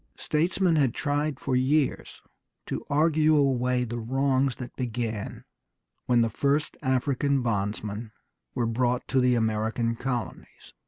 Statesmen had tried for years to argue away the wrongs that began when the first African bondsmen were brought to the American colonies.